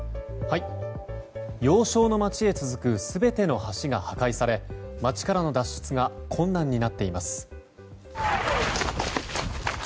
要衝の街へ続く全ての橋が破壊され街からの脱出が困難になっています。